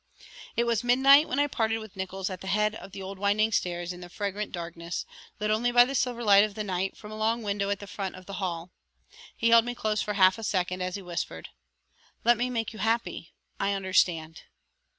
It was midnight when I parted with Nickols at the head of the old winding stairs in the fragrant darkness, lit only by the silver light of the night from a long window at the front of the hall. He held me close for a half second as he whispered: "Let me make you happy. I understand."